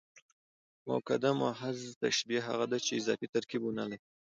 مؤکده محض تشبیه هغه ده، چي اضافي ترکیب و نه لري.